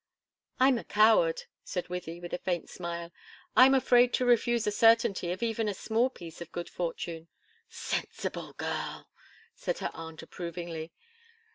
"I'm a coward," said Wythie, with a faint smile. "I'm afraid to refuse a certainty of even a small piece of good fortune." "Sensible girl!" said her aunt, approvingly.